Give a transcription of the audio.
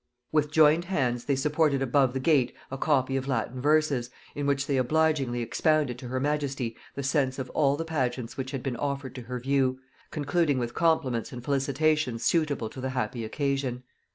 With joined hands they supported above the gate a copy of Latin verses, in which they obligingly expounded to her majesty the sense of all the pageants which had been offered to her view, concluding with compliments and felicitations suitable to the happy occasion.